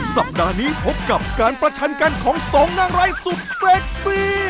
สัปดาห์นี้พบกับการประชันกันของสองนางร้ายสุดเซ็กซี่